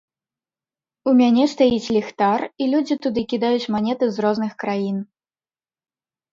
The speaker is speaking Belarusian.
У мяне стаіць ліхтар, і людзі туды кідаюць манеты з розных краін.